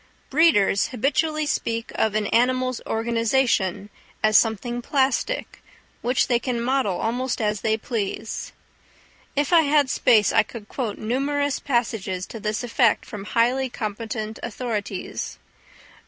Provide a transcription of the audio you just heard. Breeders habitually speak of an animal's organisation as something plastic, which they can model almost as they please. If I had space I could quote numerous passages to this effect from highly competent authorities.